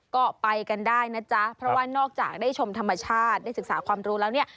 ก็ไปกันได้นะจ๊ะเพราะว่านอกจากได้ชมธรรมชาติได้ศึกษาความรู้แล้วเนี่ย